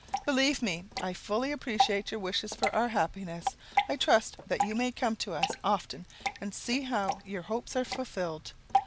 "Believe me, I fully appreciate your wishes for our happiness. I trust you may come to us often and see how your hopes are fulfilled.